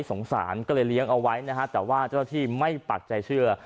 สงสารก็เลยเลี้ยงเอาไว้นะฮะแต่ว่าเจ้าที่ไม่ปักใจเชื่อ